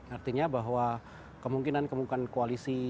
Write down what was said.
artinya bahwa kemungkinan kemungkinan koalisi